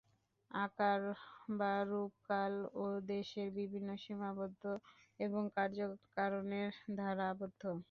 আকার বা রূপ কাল ও দেশের দ্বারা সীমাবদ্ধ এবং কার্য-কারণের দ্বারা আবদ্ধ।